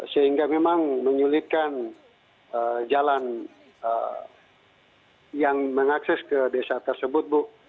sehingga memang menyulitkan jalan yang mengakses ke desa tersebut bu